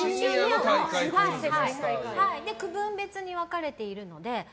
区分別に分かれているので。